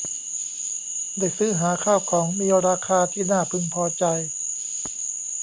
ได้ซื้อหาข้าวของมีราคาที่น่าพึงพอใจ